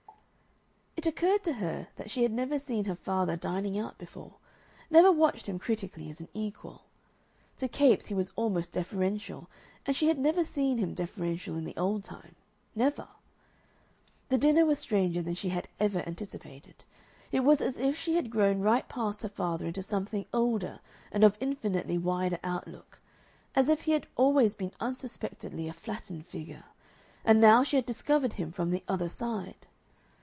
It occurred to her that she had never seen her father dining out before, never watched him critically as an equal. To Capes he was almost deferential, and she had never seen him deferential in the old time, never. The dinner was stranger than she had ever anticipated. It was as if she had grown right past her father into something older and of infinitely wider outlook, as if he had always been unsuspectedly a flattened figure, and now she had discovered him from the other side.